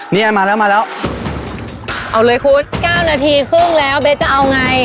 เนี่ยมาแล้วมาแล้วเอาเลยคุณเก้านาทีครึ่งแล้วเบสจะเอาไง